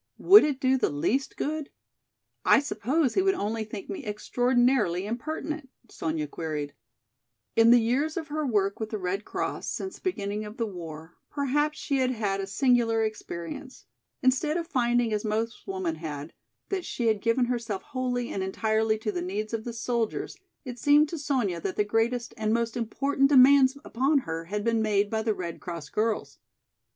Would it do the least good? I suppose he would only think me extraordinarily impertinent?" Sonya queried. In the years of her work with the Red Cross since the beginning of the war perhaps she had had a singular experience. Instead of finding as most women had, that she had given herself wholly and entirely to the needs of the soldiers, it seemed to Sonya that the greatest and most important demands upon her had been made by the Red Cross girls.